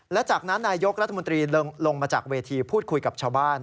และจากนั้นนายยกรัฐมนตรีลงมาจากเวทีพูดคุยกับชาวบ้าน